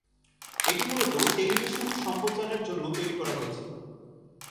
এটি মূলত টেলিভিশন সম্প্রচারের জন্য তৈরি করা হয়েছিল।